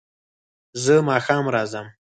زه ماښام راځم